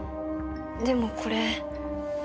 でもこれ。